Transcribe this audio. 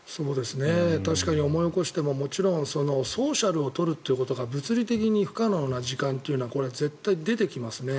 確かに思い起こしてもソーシャルを取るということが物理的に不可能な時間というのは絶対出てきますね